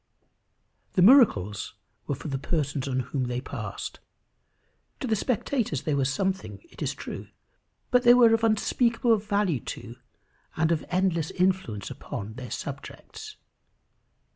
The miracles were for the persons on whom they passed. To the spectators they were something, it is true; but they were of unspeakable value to, and of endless influence upon their subjects.